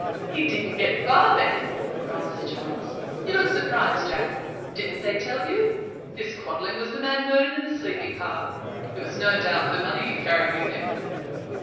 "He didn't get far, then!" cried Sir Charles. "You look surprised, Jack. Didn't they tell you? This Quadling was the man murdered in the sleeping car. It was no doubt for the money he carried with him."